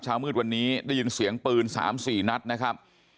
มืดวันนี้ได้ยินเสียงปืน๓๔นัดนะครับ